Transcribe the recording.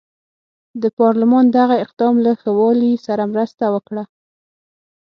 د پارلمان دغه اقدام له ښه والي سره مرسته وکړه.